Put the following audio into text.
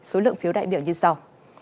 số lượng phiếu đại biểu như sau